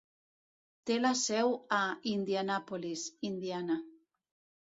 Té la seu a Indianapolis, Indiana.